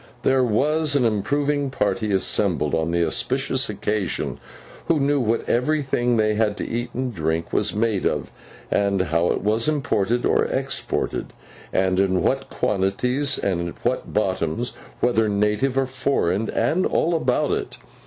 There was an improving party assembled on the auspicious occasion, who knew what everything they had to eat and drink was made of, and how it was imported or exported, and in what quantities, and in what bottoms, whether native or foreign, and all about it.